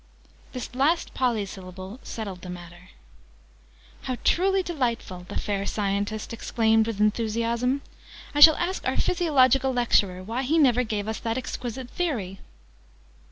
This last polysyllable settled the matter. "How truly delightful!" the fair Scientist exclaimed with enthusiasm. "I shall ask our Physiological Lecturer why he never gave us that exquisite Theory!"